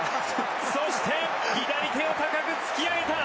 そして、左手を高く突き上げた！